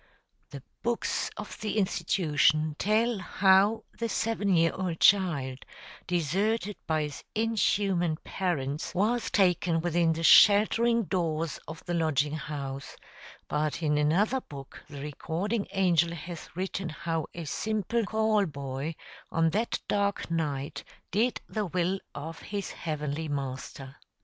The books of the institution tell how the seven year old child, deserted by his inhuman parents, was taken within the sheltering doors of the Lodging House; but in another book the recording angel has written how a simple "call boy" on that dark night did the will of his heavenly Master.